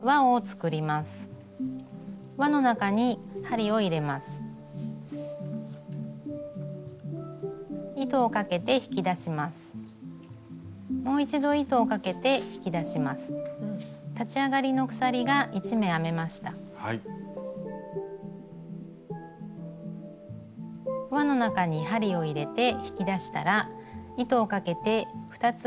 輪の中に針を入れて引き出したら糸をかけて２つ一度に引き出します。